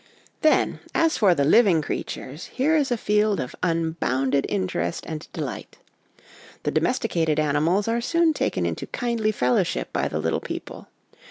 Then, as for the ' living creatures,' here is a field of unbounded interest and delight. The domesticated animals are soon taken into kindly fellowship by the little people.